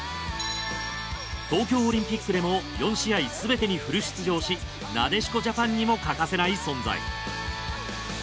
東京オリンピックでも４試合すべてにフル出場しなでしこジャパンにも欠かせない存在。